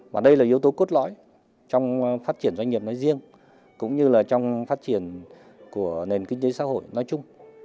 và đây là yếu tố cốt lõi trong phát triển doanh nghiệp nói riêng cũng như là trong phát triển của nền kinh tế xã hội nói chung